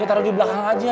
ya taruh di belakang aja